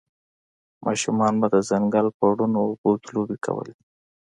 ماشومانو به د ځنګل په روڼو اوبو کې لوبې کولې